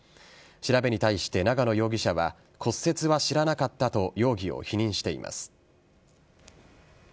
調べに対して、長野容疑者は骨折は知らなかったと容疑を否認しています。